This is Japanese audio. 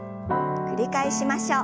繰り返しましょう。